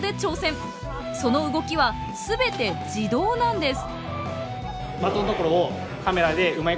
その動きは全て自動なんです。